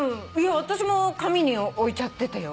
私も紙に置いちゃってたよ。